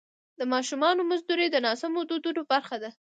د ماشومانو مزدوري د ناسمو دودونو برخه ده.